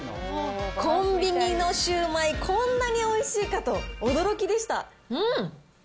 コンビニのシュウマイ、こんなにおいしいかと、驚きでした。